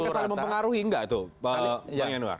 bukan kesal mempengaruhi enggak tuh mbak yanuar